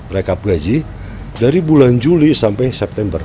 rekap gaji dari bulan juli sampai september